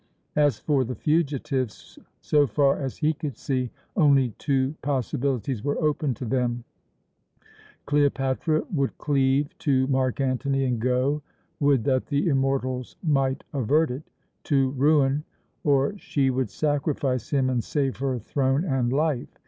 As for the fugitives, so far as he could see, only two possibilities were open to them: Cleopatra would cleave to Mark Antony and go would that the immortals might avert it! to ruin, or she would sacrifice him and save her throne and life.